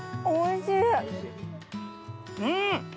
うん！